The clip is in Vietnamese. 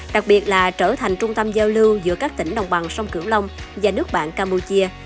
đặc biệt là trở thành trung tâm giao lưu giữa các tỉnh đồng bằng sông cửu long và nước bạn campuchia